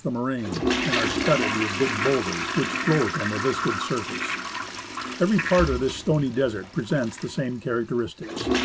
THE MALASPINA GLACIER moraine, and are studded with big boulders which lloat on the viscid surface. Every part of this stony desert presents the same characteristics.